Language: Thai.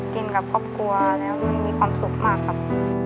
กับครอบครัวแล้วมันมีความสุขมากครับ